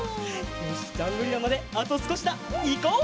よしジャングリラまであとすこしだいこう！